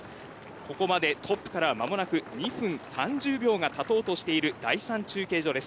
ここまでトップからは間もなく２分３０秒がたとうとしている第３中継所です。